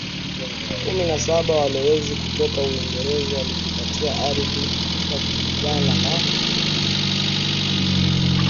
kumi na Saba Walowezi kutoka Uingereza walijipatia ardhi wakipigana na